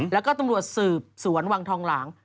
แล้วก็ตำรวจสืบสวนวังทองหลาง